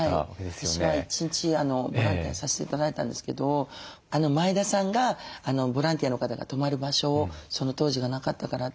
私は一日ボランティアさせて頂いたんですけど前田さんがボランティアの方が泊まる場所をその当時はなかったからって。